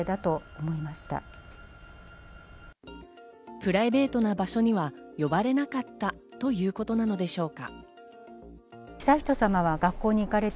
プライベートな場所には呼ばれなかったということなのでしょうか。